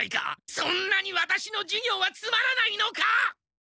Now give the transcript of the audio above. そんなにワタシの授業はつまらないのか？